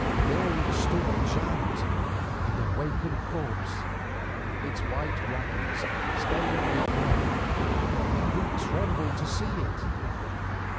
There it stood a giant and awakened corpse, its white wrappings stained with blood, and we trembled to see it.